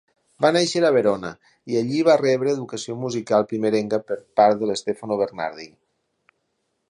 Va néixer a Verona i allí va rebre educació musical primerenca per part d'Stefano Bernardi.